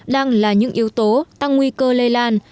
đang là những yếu tố tăng nguy cơ lây lan